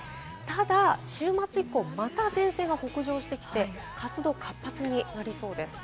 ただ週末以降、また前線が北上してきて、活動を活発になりそうです。